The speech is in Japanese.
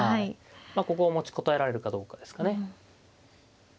ここを持ちこたえられるかどうかですかね。